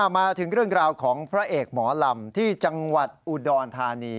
มาถึงเรื่องราวของพระเอกหมอลำที่จังหวัดอุดรธานี